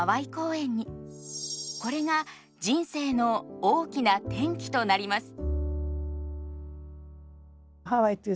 これが人生の大きな転機となります。